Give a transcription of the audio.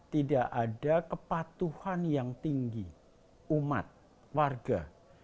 tidak ada kepatuhan yang tinggi umat warga